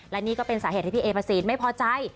และนี่ก็เป็นสาเหตุให้พี่เอ๋ประสิทธิ์ไม่พอใจ